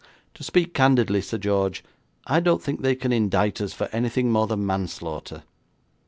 To speak candidly, Sir George, I don't think they can indite us for anything more than manslaughter.